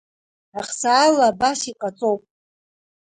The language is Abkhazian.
Ахсаала абас иҟаҵоуп…